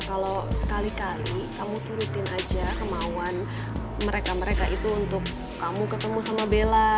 kalau sekali kali kamu turutin aja kemauan mereka mereka itu untuk kamu ketemu sama bella